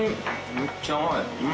めっちゃ甘い。